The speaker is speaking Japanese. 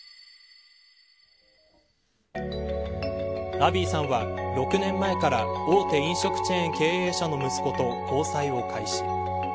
アビーさんは６年前から大手飲食チェーン経営者の息子と交際を開始。